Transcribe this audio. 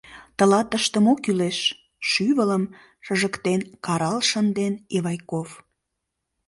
— Тылат тыште мо кӱлеш? — шӱвылым шыжыктен карал шынден Ивайков.